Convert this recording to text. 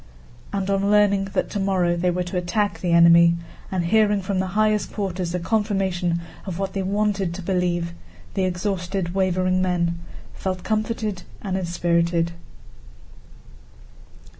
And on learning that tomorrow they were to attack the enemy, and hearing from the highest quarters a confirmation of what they wanted to believe, the exhausted, wavering men felt comforted and inspirited.